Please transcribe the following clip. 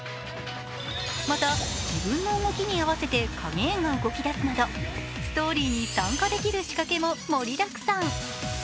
また、自分の動きに合わせて影絵が動き出すなど、ストーリーに参加できる仕掛けも盛りだくさん。